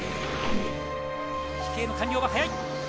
飛型の完了が早い。